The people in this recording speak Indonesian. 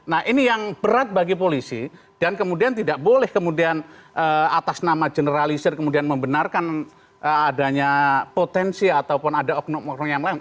nah ini yang berat bagi polisi dan kemudian tidak boleh kemudian atas nama generalisir kemudian membenarkan adanya potensi ataupun ada oknum oknum yang lain